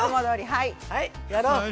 はいやろう！